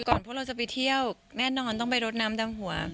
ก่อนพวกเราจะไปเที่ยวแน่นอนต้องได้รถน้ำตามหัว